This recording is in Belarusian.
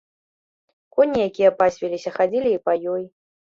Коні, якія пасвіліся, хадзілі і па ёй.